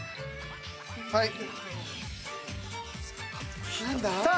はい。